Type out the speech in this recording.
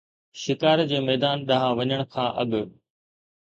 شڪار جي ميدان ڏانهن وڃڻ کان اڳ